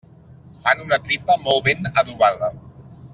Fan una tripa molt ben adobada.